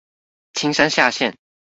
青山下線